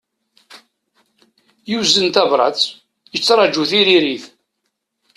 Yuzen tabrat, yettraju tiririt.